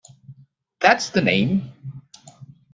That's the name.